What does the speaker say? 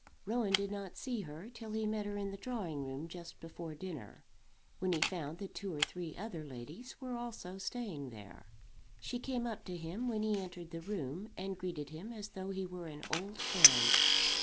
Rowan did not see her till he met her in the drawing room, just before dinner, when he found that two or three other ladies were also staying there. She came up to him when he entered the room, and greeted him as though he were an old friend.